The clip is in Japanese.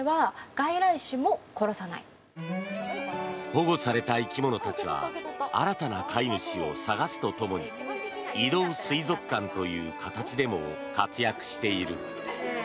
保護された生き物たちは新たな飼い主を探すとともに移動水族館という形でも活躍している。